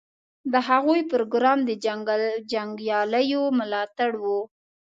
د هغوی پروګرام د جنګیالیو ملاتړ و.